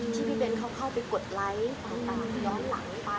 ที่พี่เบ้นเขาเข้าไปกดไลค์ต่างย้อนหลังไป